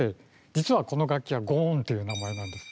実はこの楽器はゴーンっていう名前なんです。